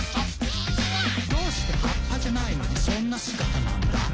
「どうして葉っぱじゃないのにそんな姿なんだ？」